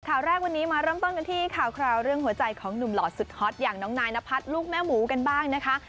ข่าวแรกวันนี้มาเริ่มต้นกันที่ข่าวคราวเรื่องหัวใจของหนุ่มหล่อสุดฮอตอย่างน้องนายนพัฒน์ลูกแม่หมูกันบ้างนะคะ